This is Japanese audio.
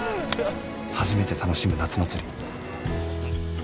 初めて楽しむ夏祭り